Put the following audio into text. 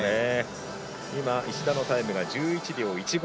石田のタイムが１１秒１５